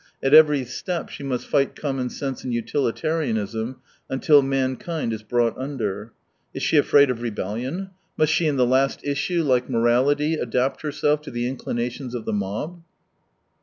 At every step she must fight commonsense and utilitarianism, until man kind is brought under. Is she afraid of rebellion ? Must she in the last issue, like 92$ morality, adapt herself to the inclinations of the mob